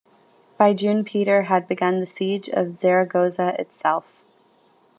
By June Peter had begun the siege of Zaragoza itself.